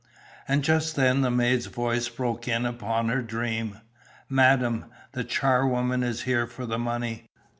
And just then, the maid's voice broke in upon her dream. "Madam, the charwoman is here for the money.